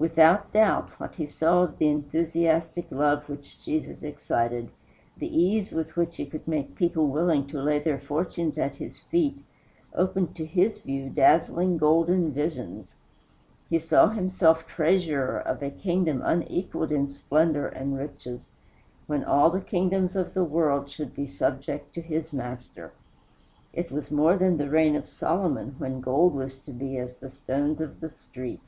Without doubt, what he saw of the enthusiastic love which Jesus excited, the ease with which he could make people willing to lay their fortunes at his feet, opened to his view dazzling golden visions. He saw himself treasurer of a kingdom unequaled in splendor and riches, when all the kingdoms of the world should be subject to his master. It was more than the reign of Solomon, when gold was to be as the stones of the street.